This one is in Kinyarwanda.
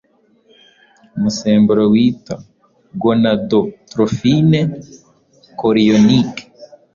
umusemburo witwa gonadotrophine chorionique